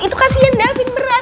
itu kasihan davin berat